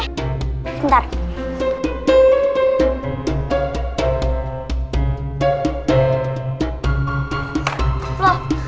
terus terus terus